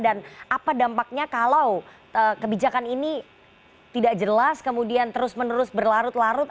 dan apa dampaknya kalau kebijakan ini tidak jelas kemudian terus menerus berlarut larut